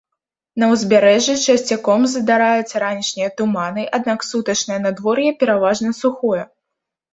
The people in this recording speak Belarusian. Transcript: На ўзбярэжжы часцяком здараюцца ранішнія туманы, аднак сутачнае надвор'е пераважна сухое.